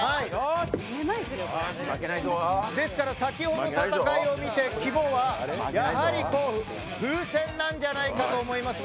先ほどの戦いを見てやはり風船なんじゃないかなと思いますが。